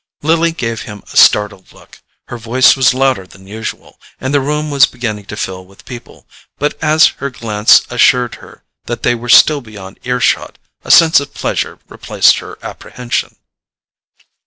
Lily gave him a startled look: his voice was louder than usual, and the room was beginning to fill with people. But as her glance assured her that they were still beyond ear shot a sense of pleasure replaced her apprehension.